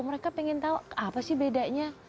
mereka pengen tahu apa sih bedanya